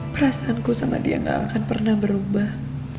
perasaanku sama dia gak akan pernah berubah